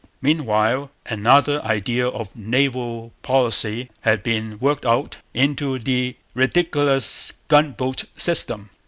Meanwhile, another idea of naval policy had been worked out into the ridiculous gunboat system.